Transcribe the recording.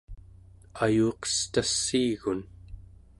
ayuqestassiigun